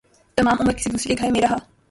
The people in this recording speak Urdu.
تمام عمر کسی دوسرے کے گھر میں رہا